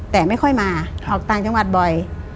แต่ไม่ค่อยมาออกต่างจังหวัดบ่อย